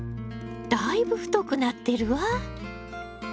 だいぶ太くなっているわ！